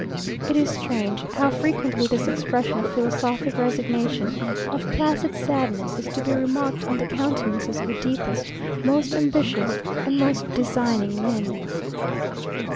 It is strange, how frequently this expression of philosophic resignation, of placid sadness, is to be remarked on the countenances of the deepest, most ambitious, and most designing men.